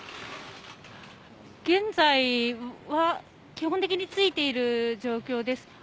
現在は基本的についている状況です。